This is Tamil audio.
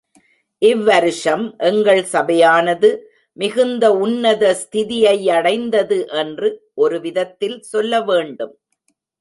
இவ்வருஷம் எங்கள் சபையானது மிகுந்த உன்னத ஸ்திதியையடைந்தது என்று ஒருவிதத்தில் சொல்ல வேண்டும்.